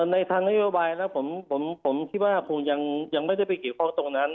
ในทางนโยบายแล้วผมคิดว่าคงยังไม่ได้ไปเกี่ยวข้องตรงนั้น